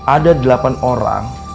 ada delapan orang